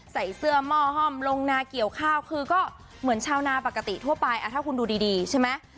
ใส่เสื้อหม้อห้อมลงนาเกี่ยวข้าวคือก็เหมือนชาวนาปกติทั่วไปถ้าคุณดูดีใช่ไหม